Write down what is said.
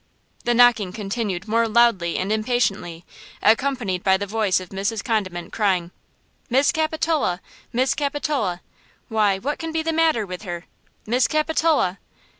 The knocking continued more loudly and impatiently, accompanied by the voice of Mrs. Condiment, crying: "Miss Capitola–Miss Capitola–why, what can be the matter with her? Miss Capitola!"